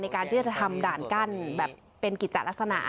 การที่จะทำด่านกั้นแบบเป็นกิจจัดลักษณะ